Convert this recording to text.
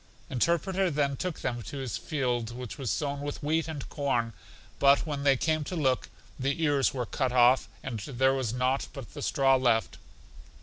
Interpreter then took them to his field, which was sown with wheat and corn; but when they came to look, the ears were cut off, and there was nought but the straw left.